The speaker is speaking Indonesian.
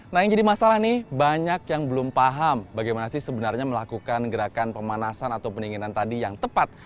nah yang jadi masalah nih banyak yang belum paham bagaimana sih sebenarnya melakukan gerakan pemanasan atau pendinginan tadi yang tepat